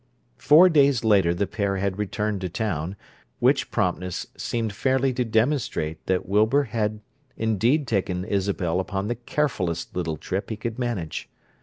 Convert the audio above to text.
Four days later the pair had returned to town, which promptness seemed fairly to demonstrate that Wilbur had indeed taken Isabel upon the carefulest little trip he could manage.